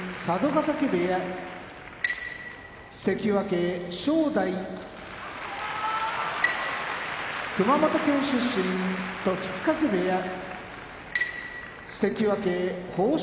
部屋関脇・正代熊本県出身時津風部屋関脇豊昇